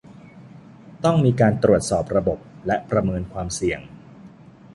ต้องมีการตรวจสอบระบบ และประเมินความเสี่ยง